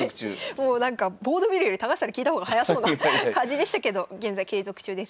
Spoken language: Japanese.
もうなんかボード見るより高橋さんに聞いた方が早そうな感じでしたけど現在継続中です。